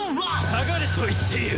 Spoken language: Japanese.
下がれと言っている！